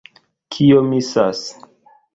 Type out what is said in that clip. Kio misas?